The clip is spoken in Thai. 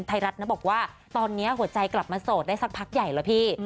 ไทยรัฐนะบอกว่าตอนนี้หัวใจกลับมาโสดได้สักพักใหญ่แล้วพี่